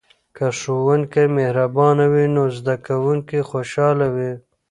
که ښوونکی مهربانه وي نو زده کوونکي خوشحاله وي.